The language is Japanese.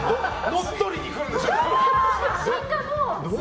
乗っ取りに来るんでしょう！